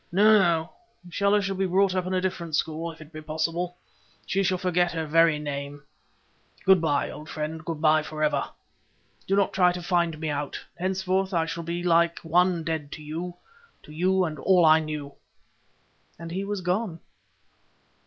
No, no, Stella shall be brought up in a different school; if it be possible, she shall forget her very name. Good bye, old friend, good bye for ever. Do not try to find me out, henceforth I shall be like one dead to you, to you and all I knew," and he was gone.